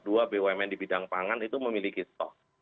dua bumn di bidang pangan itu memiliki stok